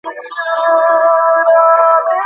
আমি তাকে বললাম, দুঃখই দুঃখীজনকে পরিচালিত করে।